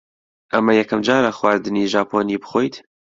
ئەمە یەکەم جارە خواردنی ژاپۆنی بخۆیت؟